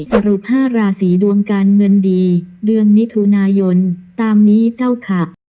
สรุป๕ราศีดวงการเงินดีเดือนมิถุนายนตามนี้เจ้าค่ะ